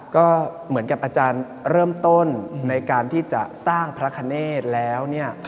ก็เหมือนกับอาจารย์เริ่มต้นในการที่จะสร้างพระคเนธแล้วเนี่ย